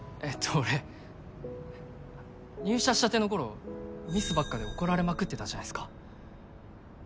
俺入社したての頃ミスばっかで怒られまくってたじゃないですか。